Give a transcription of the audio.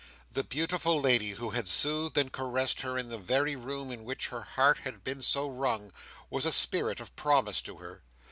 The beautiful lady who had soothed and carressed her, in the very room in which her heart had been so wrung, was a spirit of promise to her.